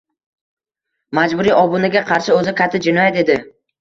Majburiy obunaga qarshi oʻzi katta jinoyat edi.